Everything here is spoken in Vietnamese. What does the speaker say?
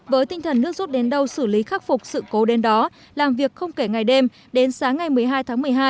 với tinh thần nước rút đến đâu xử lý khắc phục sự cố đến đó làm việc không kể ngày đêm đến sáng ngày một mươi hai tháng một mươi hai